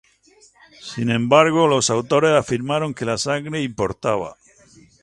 Sin embargo, los autores afirmaron que la sangre importaba.